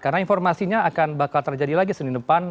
karena informasinya akan bakal terjadi lagi senin depan